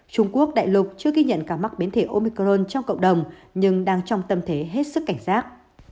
trung quốc đại lục chưa ghi nhận ca mắc biến thể omicron trong cộng đồng nhưng đang trong tâm thế hết sức cảnh giác